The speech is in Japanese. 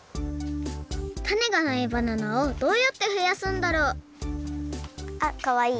タネがないバナナをどうやってふやすんだろう？あっかわいい。